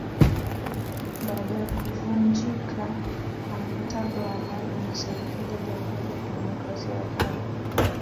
baada ya kuvunjika kwa mkataba wa amani na serikali ya jamhuri ya kidemokrasia ya Kongo